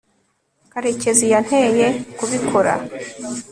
karekezi yanteye kubikora